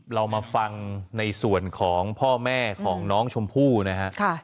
เรามาฟังในส่วนของพ่อแม่ของน้องชมพู่นะฮะ